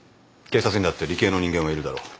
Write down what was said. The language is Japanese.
警察にだって理系の人間はいるだろう。